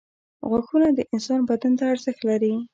• غاښونه د انسان بدن ته ارزښت لري.